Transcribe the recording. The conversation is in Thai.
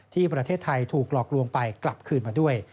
ที่ประเทศไทยถูกหลอกลวงไปกลับคืนมาด้วย